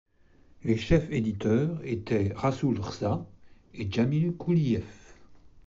Les chefs éditeurs étaient Rasul Rza et Djemil Kuliyev.